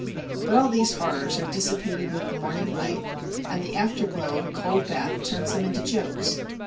But all these horrors are dissipated with the morning light, and the after glow of a cold bath turns them into jokes.